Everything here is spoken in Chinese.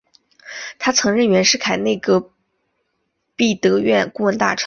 他曾任袁世凯内阁弼德院顾问大臣。